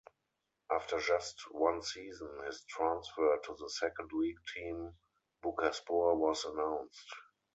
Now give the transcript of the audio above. After just one season, his transfer to the second league team Bucaspor was announced.